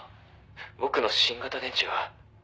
「僕の新型電池は」